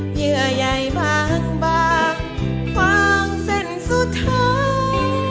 เหยื่อใหญ่บางบางเส้นสุดท้าย